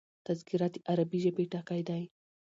تذکره د عربي ژبي ټکی دﺉ.